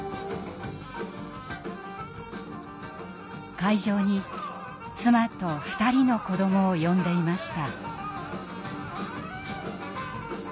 会場に妻と２人の子どもを呼んでいました。